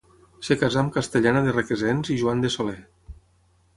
Es casà amb Castellana de Requesens i Joan de Soler.